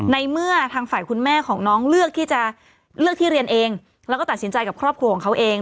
ในเมื่อทางฝ่ายคุณแม่ของน้องเลือกที่เรียนเองและตัดสินใจกับครอบครัวของเค้าเอง